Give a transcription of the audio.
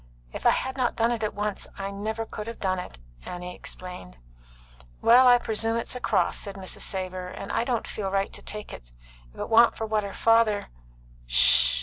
"If I had not done it at once, I never could have done it," Annie explained. "Well, I presume it's a cross," said Mrs. Savor, "and I don't feel right to take her. If it wa'n't for what her father " "'Sh!"